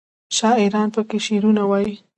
شاعران پکې شعرونه وايي.